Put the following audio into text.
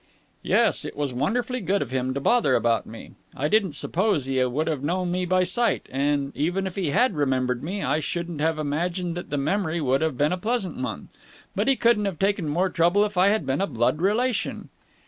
"Yes. It was wonderfully good of him to bother about me. I didn't suppose he would have known me by sight, and, even if he had remembered me, I shouldn't have imagined that the memory would have been a pleasant one. But he couldn't have taken more trouble if I had been a blood relation."